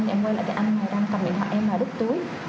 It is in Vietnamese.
thì em quay lại thì anh đang cầm điện thoại em và đứt túi